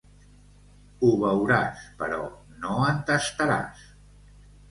Ho veuràs, però no en tastaràs.